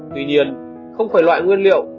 tuy nhiên không phải loại nguyên liệu